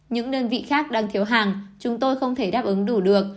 những đơn vị khác đang thiếu hàng chúng tôi không thể đáp ứng đủ được